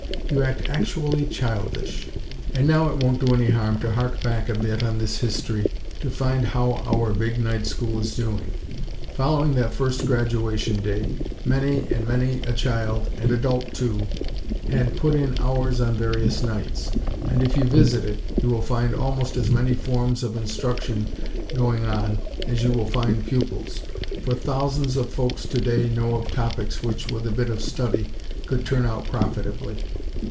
You act actually childish!!" And now it won't do any harm to hark back a bit on this history, to find how our big Night School is doing. Following that first graduation day, many and many a child, and adult, too, had put in hours on various nights; and if you visit it you will find almost as many forms of instruction going on as you will find pupils; for thousands of folks today know of topics which, with a bit of study, could turn out profitably.